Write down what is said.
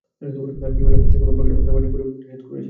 আমি বিমানে কোনো প্রকার পানীয় পরিবেশন করতে নিষেধ করেছিলাম।